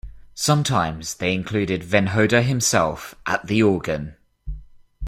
Sometimes they included Venhoda himself at the organ.